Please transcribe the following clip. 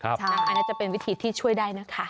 อันนี้จะเป็นวิธีที่ช่วยได้นะคะ